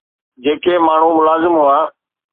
جيڪي ماڻهو ملازم هئا